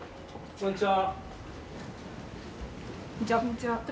こんにちは。